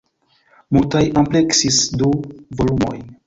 Multaj ampleksis du volumojn.